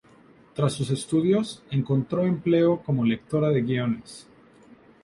Tras sus estudios, encontró empleo como lectora de guiones.